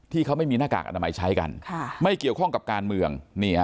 ที่เขาไม่มีหน้ากากอนามัยใช้กันไม่เกี่ยวข้องกับการเมือง